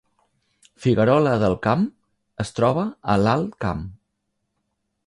Figuerola del Camp es troba a l’Alt Camp